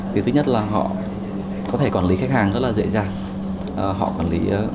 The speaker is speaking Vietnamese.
thứ nhất là họ có thể quản lý khách hàng rất là dễ dàng